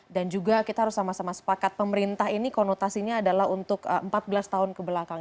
dan juga kita harus sama sama sepakat pemerintah ini konotasinya adalah untuk empat belas tahun kebelakang